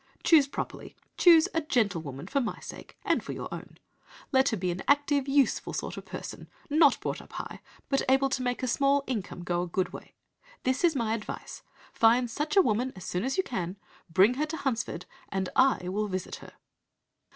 Choose properly, choose a gentlewoman for my sake, and for your own; let her be an active, useful sort of person, not brought up high, but able to make a small income go a good way. This is my advice. Find such a woman as soon as you can, bring her to Hunsford, and I will visit her.'